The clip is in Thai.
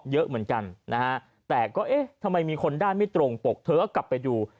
เยอะเหมือนกันนะแต่ก็ทำไมมีคนด้านไม่ตรงปกเธอกลับไปดู